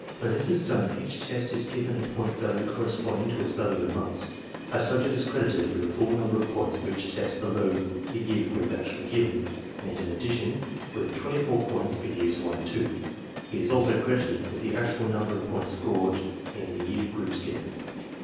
When this is done, each test is given a point value corresponding to its value in months. A subject is credited with the full number of points for each test below the year group actually given, and in addition with 24 paints for years 1 and 2. He is also credited with the actual number of points scored in the year groups given.